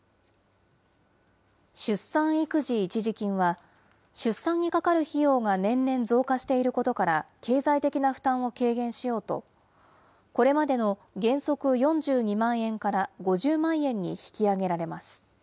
出産育児一時金は、出産にかかる費用が年々増加していることから、経済的な負担を軽減しようと、これまでの原則４２万円から５０万円に引き上げられます。